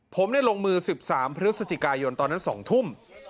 ผมได้ลงมือ๑๓พฤศจิกายนตอนนั้น๒ทุ่ม